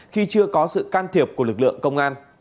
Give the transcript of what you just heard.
khi chưa có sự can thiệp của lực lượng công an